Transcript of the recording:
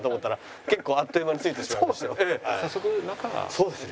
そうですね。